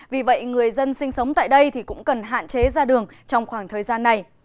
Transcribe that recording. vì vậy người dân sinh sống tại đây cũng cần hạn chế ra đường trong khoảng thời gian này